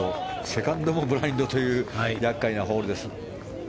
セカンドもブラインドという厄介なホールです。